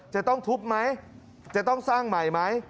จะต้องทุบไหมจะต้องสร้างใหม่ไหม